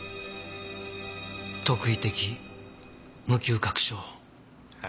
特異的無嗅覚症。え？